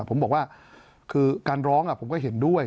ผมบอกว่าคือการร้องผมก็เห็นด้วย